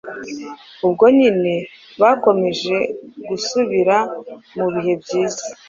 Ubwo nyine bakomeje gusubira mu bihe byiza